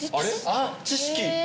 あっ知識！